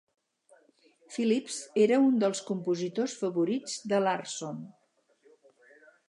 Phillips era un dels compositors favorits de Larson.